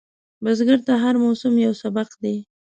بزګر ته هر موسم یو سبق دی